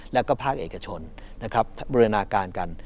แล้วก็ภาคเอกชนนะครับบูรณาการกัน